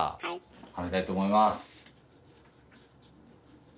はめたいと思います。